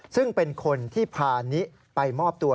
ซึ่งเป็นคนที่พานิไปมอบตัว